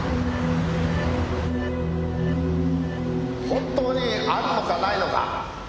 「本当にあるのかないのか」